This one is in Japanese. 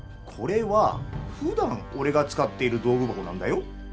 これはふだんおれが使っている道具箱なんだよ。